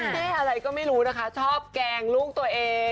ได้อะไรก็ไม่รู้นะคะชอบแกล้งลูกตัวเอง